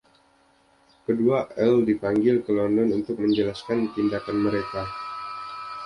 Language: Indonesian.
Kedua earl dipanggil ke London untuk menjelaskan tindakan mereka.